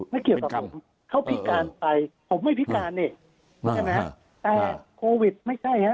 ไม่เกี่ยวกับผมเขาพิการไปผมไม่พิการนี่ใช่ไหมแต่โควิดไม่ใช่ฮะ